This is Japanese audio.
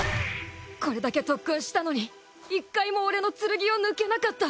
これだけ特訓したのに１回も俺の剣を抜けなかった！